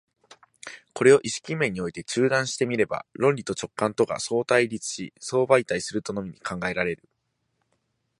これを意識面において中断して見れば、論理と直覚とが相対立し相媒介するとのみ考えられる。